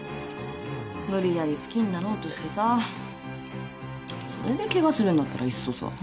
無理やり好きになろうとしてさそれでケガするんだったらいっそさ。